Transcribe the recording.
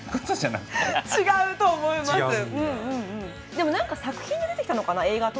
でも何か作品で出てきたのかな映画とかで。